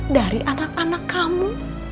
dari anak anak kamu